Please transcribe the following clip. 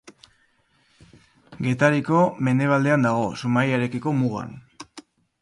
Getariako mendebaldean dago, Zumaiarekiko mugan.